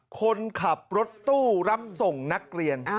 คนขับรถตู้รับส่งนักเรียน